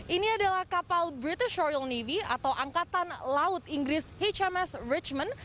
ini adalah kapal british royal navy atau angkatan laut inggris hithames richment